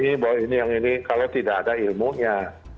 ini bahwa ini yang ini kalau tidak ada ilmunya